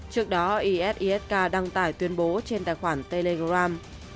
trước đó esisk đăng tải tuyên bố trên tài khoản telegram